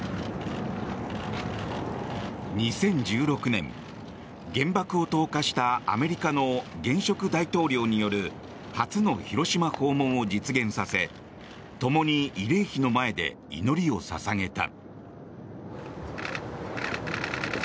２０１６年、原爆を投下したアメリカの現職大統領による初の広島訪問を実現させともに慰霊碑の前で祈りを捧げた。